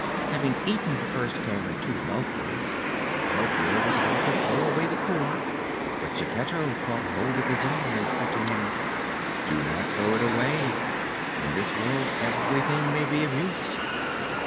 Having eaten the first pear in two mouthfuls, Pinocchio was about to throw away the core, but Geppetto caught hold of his arm and said to him: "Do not throw it away; in this world everything may be of use."